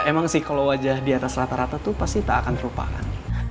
emang sih kalau wajah di atas rata rata tuh pasti tak akan terlupakan